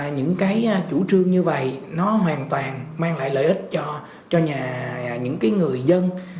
những cái chủ trương như vậy nó hoàn toàn mang lại lợi ích cho những người dân